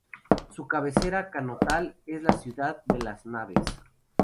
Su cabecera cantonal es la ciudad de Las Naves.